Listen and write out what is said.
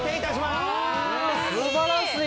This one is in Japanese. すばらしい。